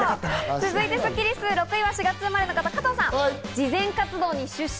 続いてはスッキりす、６位は４月生まれの方、加藤さん。